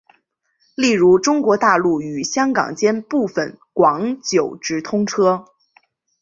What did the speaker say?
例如中国大陆与香港间部分广九直通车。